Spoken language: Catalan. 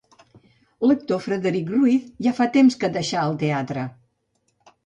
L'actor Frederic Ruiz ja fa temps que deixà el teatre.